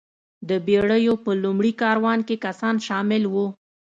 د بېړیو په لومړي کاروان کې کسان شامل وو.